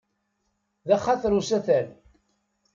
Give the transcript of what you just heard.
D axatar usatal.